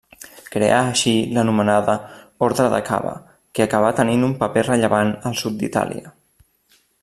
Creà així l'anomenada Orde de Cava, que acabà tenint un paper rellevant al sud d'Itàlia.